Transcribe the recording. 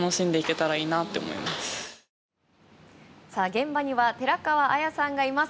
現場には寺川綾さんがいます。